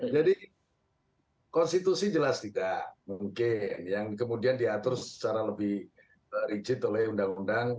jadi konstitusi jelas tidak mungkin yang kemudian diatur secara lebih rigid oleh undang undang